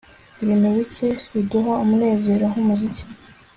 Ibintu bike biduha umunezero nkumuziki